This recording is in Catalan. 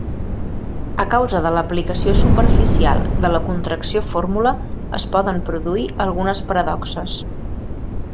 A causa de l'aplicació superficial de la contracció fórmula es poden produir algunes paradoxes.